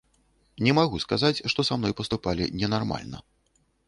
Не магу сказаць, што са мной паступалі ненармальна.